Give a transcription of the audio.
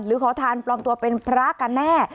ขอทานปลอมตัวเป็นพระกันแน่